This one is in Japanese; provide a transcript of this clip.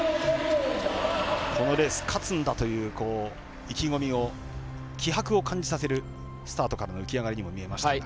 このレース勝つんだという意気込みを気迫を感じさせるスタートからの浮き上がりに見えましたが。